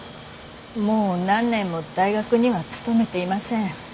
もう何年も大学には勤めていません。